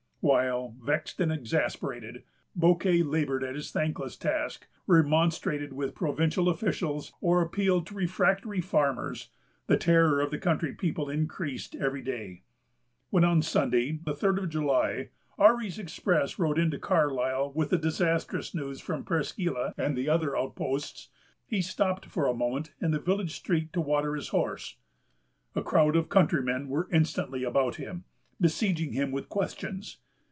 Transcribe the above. While, vexed and exasperated, Bouquet labored at his thankless task, remonstrated with provincial officials, or appealed to refractory farmers, the terror of the country people increased every day. When on Sunday, the third of July, Ourry's express rode into Carlisle with the disastrous news from Presqu' Isle and the other outposts, he stopped for a moment in the village street to water his horse. A crowd of countrymen were instantly about him, besieging him with questions.